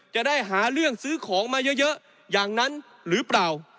จะได้หาเรื่องซื้อของมาเยอะอย่างนั้นหรือเปล่า